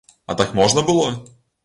А так можна было?